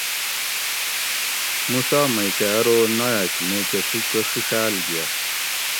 موسیٰ میکہ ارو نایٔک میکہ سوچہ ڛڛال گیہ